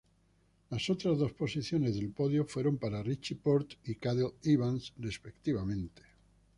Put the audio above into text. Las otras dos posiciones del podio fueron para Richie Porte y Cadel Evans, respectivamente.